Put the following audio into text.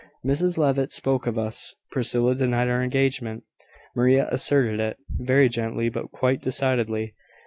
Mrs Levitt spoke of us: Priscilla denied our engagement: Maria asserted it very gently, but quite decidedly.